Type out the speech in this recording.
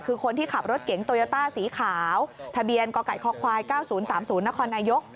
คือคนที่ขับรถเก๋งโตยัตต้าสีขาวทะเบียนกคค่อยเก้าศูนย์สามศูนย์ณครนายก